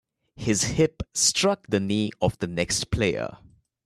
His hip struck the knee of the next player.